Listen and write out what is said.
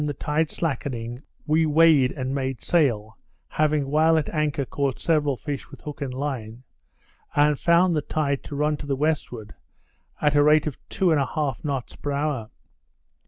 the tide slackening, we weighed and made sail (having while at anchor caught several fish with hook and line), and found the tide to run to the westward, at the rate of two and a half knots per hour.